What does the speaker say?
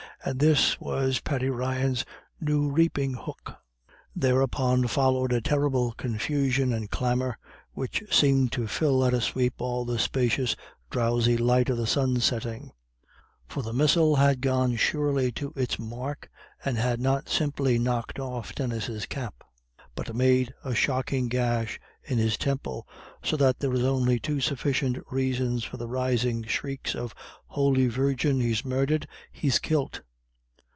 And this was Paddy Ryan's new reaping hook. Thereupon followed a terrible confusion and clamour, which seemed to fill at a sweep all the spacious drowsy light of the sunsetting. For the missile had gone surely to its mark, and had not simply knocked off Denis's cap, but made a shocking gash in his temple, so that there were only too sufficient reasons for the rising shrieks of "Holy Virgin, he's murdhered he's kilt!"